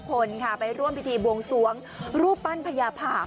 คนค่ะไปร่วมพิธีบวงสวงรูปปั้นพญาภาพ